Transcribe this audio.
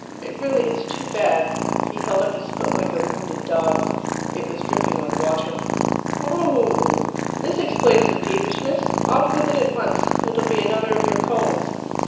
It really is too bad." He held up his foot like a wounded dog. It was dripping with water. "Oho! This explains the peevishness. Off with it at once. It'll be another of your colds."